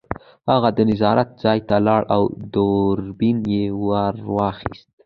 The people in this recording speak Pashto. هغه د نظارت ځای ته لاړ او دوربین یې راواخیست